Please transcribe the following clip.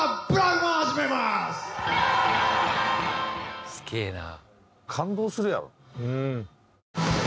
感動するやろな。